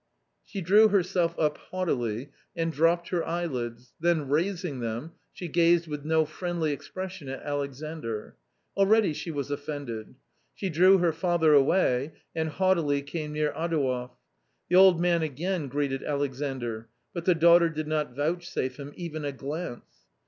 She drew herself up haughtily, and dropped her eyelids, then raising them she gazed with no friendly expression at Alexandr. Already she was offended. She drew her father away, and haughtily came near Adouev. The old man again greeted Alexandr ; but the daughter did not vouchsafe him even a glance.